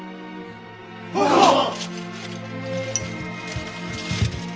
はっ！